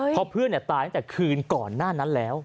เพราะเพื่อนตายตั้งแต่คืนก่อนหน้านั้นแล้ว